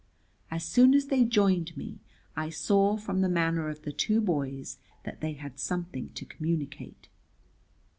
As soon as they joined me I saw from the manner of the two boys that they had something to communicate.